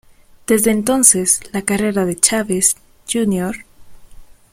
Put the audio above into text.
Desde entonces, la carrera de Chávez, Jr.